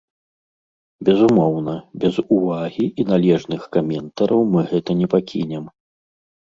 Безумоўна, без увагі і належных каментараў мы гэта не пакінем.